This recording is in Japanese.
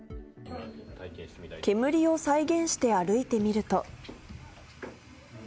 煙を再現して歩いてみると。